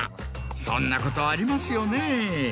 そんなことありますよね。